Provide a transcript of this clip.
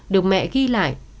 được mẹ ghi lại